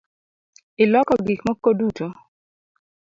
Iloko gikmoko duto?